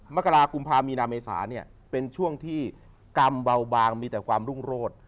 มกรากุมภามีนาเมษาเนี่ยเป็นช่วงที่กรรมเบาบางมีแต่ความรุ่งโรธ